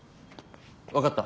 分かった。